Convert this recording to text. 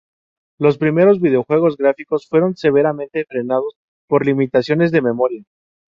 Los primeros videojuegos gráficos fueron severamente frenados por limitaciones de memoria.